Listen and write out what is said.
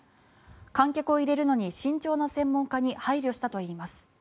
観客を入れるのに慎重な専門家に配慮したといいます。